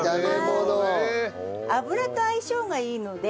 油と相性がいいので。